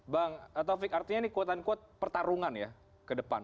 bang taufik artinya ini kuatan kuat pertarungan ya ke depan